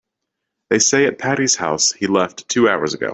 They say at Patti's house he left two hours ago.